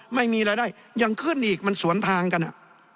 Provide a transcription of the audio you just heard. ไม่มีรายได้ยังขึ้นอีกมันสวนทางกันอ่ะ